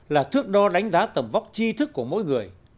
là thước đo đánh giá tầm vóc chi thức của mỗi người